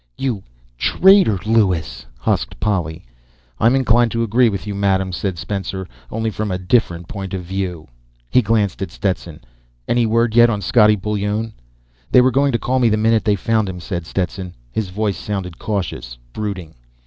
"You ... traitor, Lewis!" husked Polly. "I'm inclined to agree with you, Madame," said Spencer. "Only from a different point of view." He glanced at Stetson. "Any word yet on Scottie Bullone?" "They were going to call me the minute they found him," said Stetson. His voice sounded cautious, brooding.